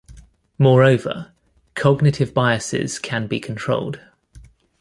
Moreover, cognitive biases can be controlled.